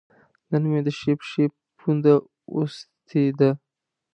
نن مې د ښۍ پښې پونده وسستې ده